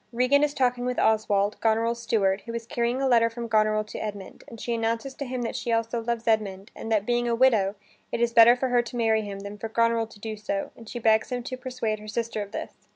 Regan is talking with Oswald, Goneril's steward, who is carrying a letter from Goneril to Edmund, and she announces to him that she also loves Edmund and that, being a widow, it is better for her to marry him than for Goneril to do so, and she begs him to persuade her sister of this.